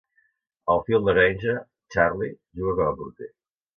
El fill de Grainger, Charlie, juga com a porter.